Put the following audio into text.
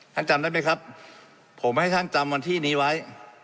จำได้ไหมครับผมให้ท่านจำวันที่นี้ไว้